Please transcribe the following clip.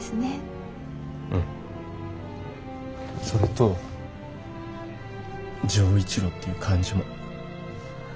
それと錠一郎っていう漢字も。